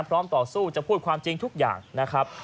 ต่อสู้จะพูดความจริงทุกอย่างนะครับ